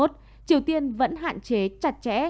triều tiên vẫn hạn chế chặt chẽ